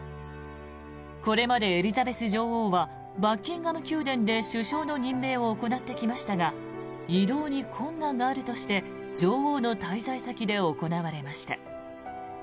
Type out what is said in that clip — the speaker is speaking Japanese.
これまでエリザベス女王はバッキンガム宮殿で首相の任命を行ってきましたが移動に困難があるとして女王の滞在先で行われました。